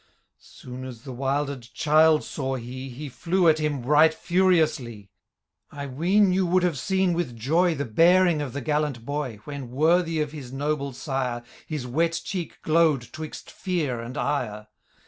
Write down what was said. Soon as the wilder'd child saw he. He flew at him right furiouslie. I ween you would have seen with joy The bearing of the gallant boy. When, worthy of his noble sire. His wet cheek glow'd twixt fear and ire